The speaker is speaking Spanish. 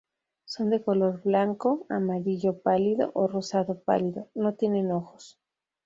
Son de color blanco, amarillo pálido o rosado pálido, no tienen ojos.